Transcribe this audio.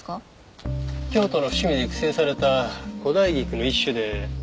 京都の伏見で育成された古代菊の一種で。